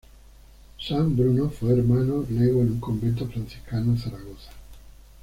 San Bruno fue hermano lego en un convento franciscano en Zaragoza.